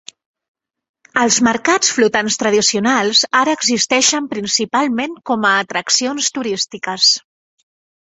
Els mercats flotants tradicionals ara existeixen principalment com a atraccions turístiques.